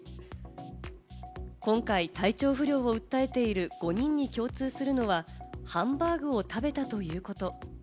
今回、体調不良を訴えている５人に共通するのはハンバーグを食べたということ。